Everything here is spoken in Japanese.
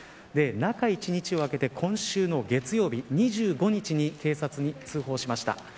中１日空けて、今週の月曜日２５日に警察に通報しました。